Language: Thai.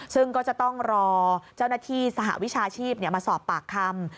ซึ่งก็จะต้องรอเจ้าหน้าที่สหวิชาชีพมาสอบปากคำ